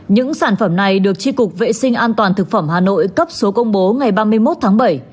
những sản phẩm này được tri cục vệ sinh an toàn thực phẩm hà nội cấp số công bố ngày ba mươi một tháng bảy